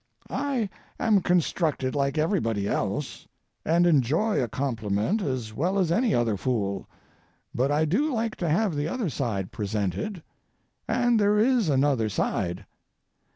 I am constructed like everybody else, and enjoy a compliment as well as any other fool, but I do like to have the other side presented. And there is another side.